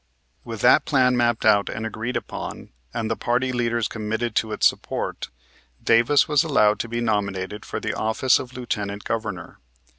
With that plan mapped out and agreed upon, and the party leaders committed to its support, Davis was allowed to be nominated for the office of Lieutenant Governor.